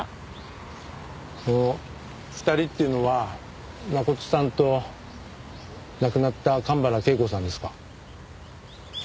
その２人っていうのは真琴さんと亡くなった神原恵子さんですか？